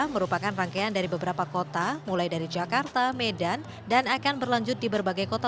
merupakan rangkaian dari beberapa kota mulai dari jakarta medan dan akan berlanjut di berbagai kota